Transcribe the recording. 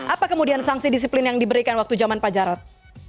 apa kemudian sanksi disiplin yang diberikan waktu zaman pak jarod